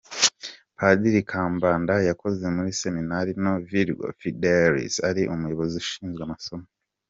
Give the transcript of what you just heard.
Padiri Kambanda yakoze muri Seminari Nto Virgo Fidelis ari Umuyobozi Ushinzwe Amasomo.